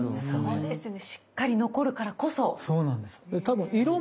そうですね。